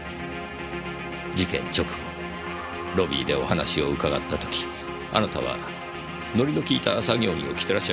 事件直後ロビーでお話を伺った時あなたは糊の効いた作業着を着てらっしゃいましたね。